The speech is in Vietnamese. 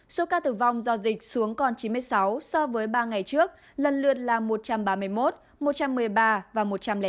số ca tử vong do dịch xuống còn chín mươi sáu so với ba ngày trước lần lượt là một trăm ba mươi một một trăm một mươi ba và một trăm linh tám